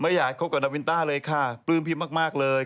อยากคบกับนาวินต้าเลยค่ะปลื้มพิมพ์มากเลย